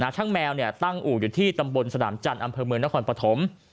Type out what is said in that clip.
ช่างแมวตั้งอู่อยู่ที่ตำบลสนามจันทร์อำเภอเมืองนครปฐม